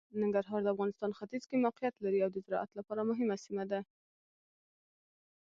ننګرهار د افغانستان ختیځ کې موقعیت لري او د زراعت لپاره مهمه سیمه ده.